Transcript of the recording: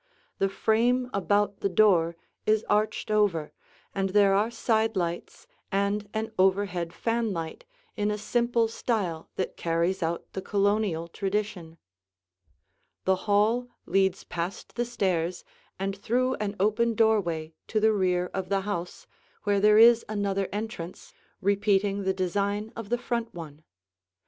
The frame about the door is arched over, and there are side lights and an overhead fanlight in a simple style that carries out the Colonial tradition. [Illustration: The Hallway] The hall leads past the stairs and through an open doorway to the rear of the house, where there is another entrance, repeating the design of the front one.